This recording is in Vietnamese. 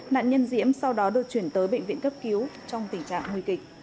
nạn nhân diễm sau đó được chuyển tới bệnh viện cấp cứu trong tình trạng nguy kịch